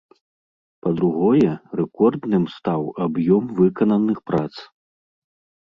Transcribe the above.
Па-другое, рэкордным стаў аб'ём выкананых прац.